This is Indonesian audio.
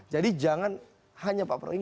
jadi jangan hanya pak prabowo